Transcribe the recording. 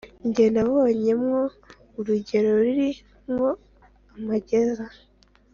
Jye nabonye mwo urugero ruri mwo amageza,